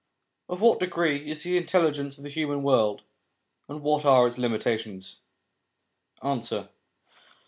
Of what degree is the intelligence of the human world, and wljat are its limitations ? Answer.